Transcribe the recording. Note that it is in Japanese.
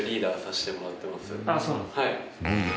はい。